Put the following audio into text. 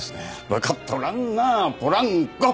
わかっとらんなポランコ。